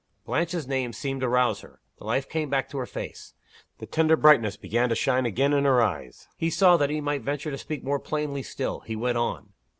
Blanche's name seemed to rouse her. The life came back to her face; the tender brightness began to shine again in her eyes. He saw that he might venture to speak more plainly still: he went on.